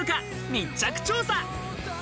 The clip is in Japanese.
密着調査。